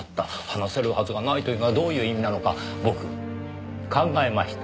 話せるはずがないというのはどういう意味なのか僕考えました。